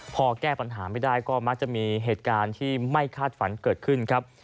พอแก้ปัญหาไม่ได้ก็มักจะมีเหตุการณ์ที่ไม่คาดฝันเกิดขึ้นครับ